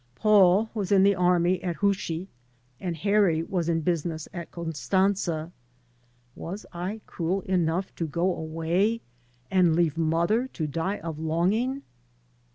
Paul was in the army at Hushi, and Harry was in business at Con stantza. Was I cruel enough to go away and leave mother to die of longing?